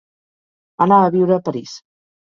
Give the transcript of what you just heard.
Anà a viure a París.